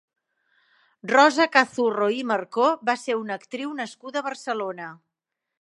Rosa Cazurro i Marcó va ser una actriu nascuda a Barcelona.